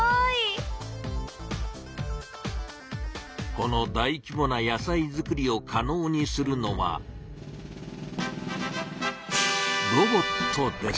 この大きぼな野菜作りをかのうにするのはロボットです。